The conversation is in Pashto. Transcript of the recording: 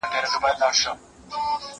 هغه څوک چي سپينکۍ مينځي روغ وي!؟